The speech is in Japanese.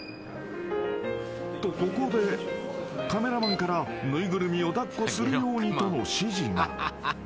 ［とここでカメラマンから縫いぐるみを抱っこするようにとの指示が］